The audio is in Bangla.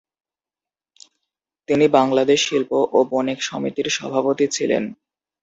তিনি বাংলাদেশ শিল্প ও বণিক সমিতির সভাপতি ছিলেন।